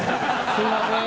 すみません。